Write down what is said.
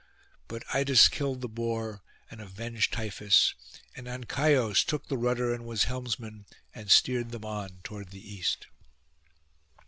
But Idas killed the boar, and avenged Tiphys; and Ancaios took the rudder and was helmsman, and steered them on toward the east.